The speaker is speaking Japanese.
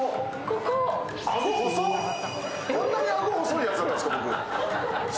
こんなにあご細いやつだったんですか、僕。